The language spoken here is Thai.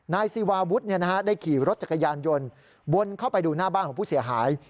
นายศิวาวุฒิได้ขี่รถจักรยานยนต์วนเข้าไปดูหน้าบ้านของผู้เสียหาย